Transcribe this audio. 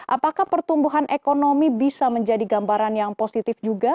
apakah pertumbuhan ekonomi bisa menjadi gambaran yang positif juga